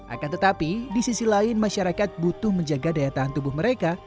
akan tetapi di sisi lain masyarakat butuh menjaga daya tahan tubuh mereka